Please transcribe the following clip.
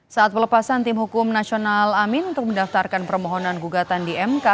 saat pelepasan tim hukum nasional amin untuk mendaftarkan permohonan gugatan di mk